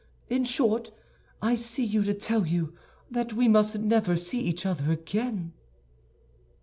In short, I see you to tell you that we must never see each other again."